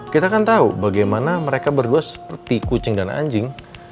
kita kan tahu bagaimana mereka berdua seperti kucing dan anjing